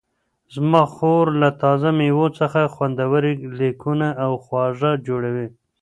زما خور له تازه مېوو څخه خوندورې کیکونه او خواږه جوړوي.